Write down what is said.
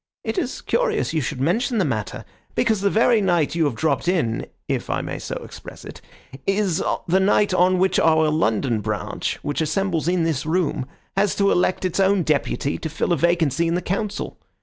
It is curious you should mention the matter, because the very night you have dropped in (if I may so express it) is the night on which our London branch, which assembles in this room, has to elect its own deputy to fill a vacancy in the Council.